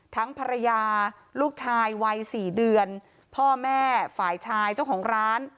ทั้งภรรยาลูกชายวัยสี่เดือนพ่อแม่ฝ่ายชายเจ้าของร้าน